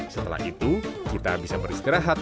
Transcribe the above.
setelah itu kita bisa beristirahat